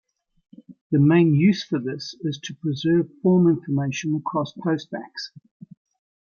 The main use for this is to preserve form information across postbacks.